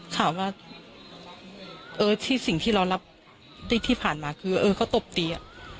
ถามว่าสิ่งที่เรารับที่ผ่านมาคือเขาตบตี